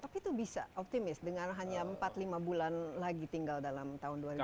tapi itu bisa optimis dengan hanya empat lima bulan lagi tinggal dalam tahun dua ribu dua puluh